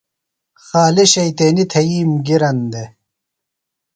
خالیۡ شیطینیۡ تھئیم گِرن دےۡ۔